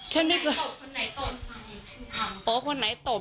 ฉันไม่เคยคุณตบคนไหนตบ